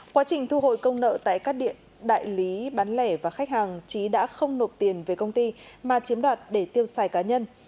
quá trình thu hồi công nợ tại các đại lý bán lẻ và khách hàng trí đã không nộp tiền về công ty mà chiếm đoạt để tiêu xài cá nhân